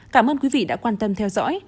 cảm ơn quý vị đã quan tâm theo dõi